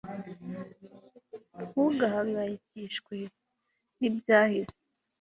ntugahangayikishwe nibyahise